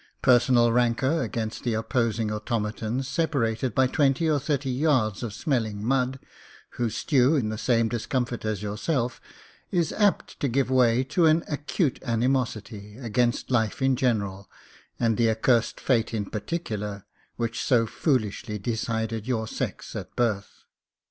Personal rancour against the opposing automatons separated by twenty or thirty yards of smelling mud — who stew in the same discomfort as yourself — is apt to give way to an acute animosity against life in general, and the accursed fate in particular which so foolishly decided your sex at birth.